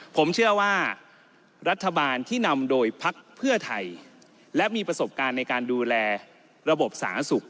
ผมเชื่อว่ารัฐบาลที่นำโดยพักเพื่อไทยและมีประสบการณ์ในการดูแลระบบสาธารณสุข